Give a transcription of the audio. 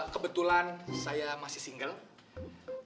kebetulan saya masih single